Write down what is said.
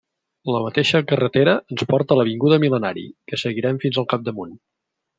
La mateixa carretera ens porta a l'avinguda Mil·lenari, que seguirem fins al capdamunt.